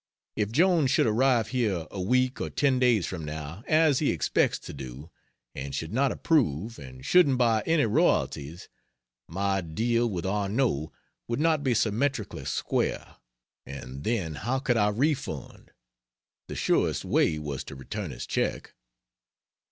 If Jones should arrive here a week or ten days from now (as he expects to do,) and should not approve, and shouldn't buy any royalties, my deal with Arnot would not be symmetrically square, and then how could I refund? The surest way was to return his check.